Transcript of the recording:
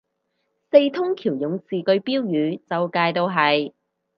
四通橋勇士句標語周街都係